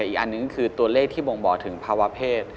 อีกอันหนึ่งคือตัวเลขที่บ่งบอกถึงภาวะเพศ